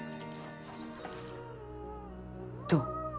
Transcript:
どう？